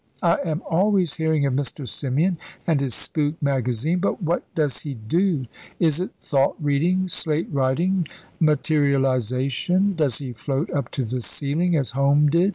"I am always hearing of Mr. Symeon and his spook magazine; but what does he do? Is it thought reading, slate writing, materialisation? Does he float up to the ceiling, as Home did?